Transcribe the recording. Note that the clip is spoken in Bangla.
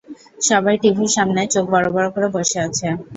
সবাই টিভির সামনে চোখ বড়বড় করে বসে আছে।